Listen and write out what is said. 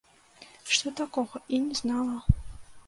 Што такога і не знала!